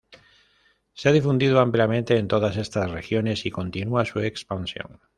Se ha difundido ampliamente en todas estas regiones y continúa su expansión.